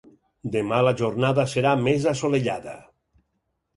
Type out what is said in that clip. Demà la jornada serà més assolellada.